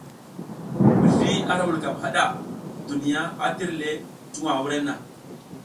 Mizli ara vulkam hada, duniya a tir le tuwa wurenna.